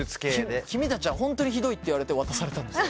「君たちはホントにひどい」って言われて渡されたんです。